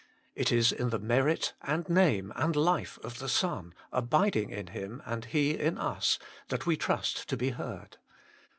It is in the merit, and name, and life of the Son, abiding hi Him and He in us, that we trust to be heard.